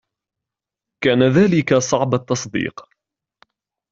.كان ذلك صعب التصديق